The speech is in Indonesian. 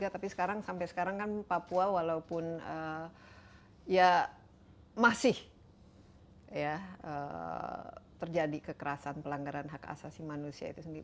tapi sekarang sampai sekarang kan papua walaupun ya masih terjadi kekerasan pelanggaran hak asasi manusia itu sendiri